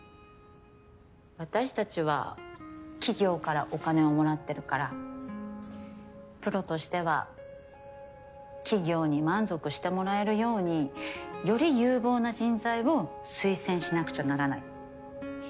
私たちは企業からお金をもらってるからプロとしては企業に満足してもらえるようにより有望な人材を推薦しなくちゃならない。